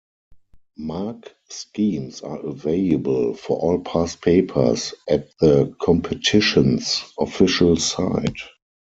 Mark schemes are available for all past papers at the competition's official site.